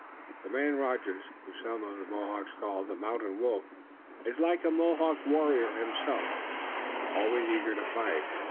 The man Rogers, whom some of the Mohawks call the Mountain Wolf, is like a Mohawk warrior himself, always eager to fight.